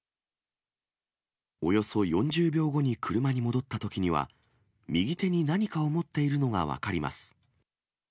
およそ４０秒後に車に戻ったときには、右手に何かを持っているのが分かります。